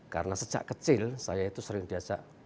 karena sejak kecil saya itu sering diajak non stop